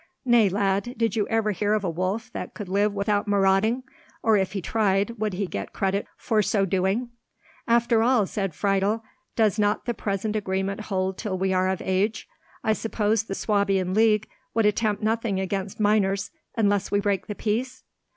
"Nay, lad: did you ever hear of a wolf that could live without marauding? Or if he tried, would he get credit for so doing?" "After all," said Friedel, "does not the present agreement hold till we are of age? I suppose the Swabian League would attempt nothing against minors, unless we break the peace?"